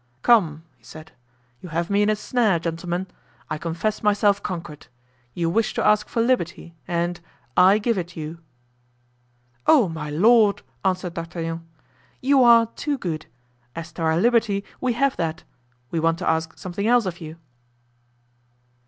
"Come," he said, "you have me in a snare, gentlemen. I confess myself conquered. You wish to ask for liberty, and—I give it you." "Oh, my lord!" answered D'Artagnan, "you are too good; as to our liberty, we have that; we want to ask something else of you."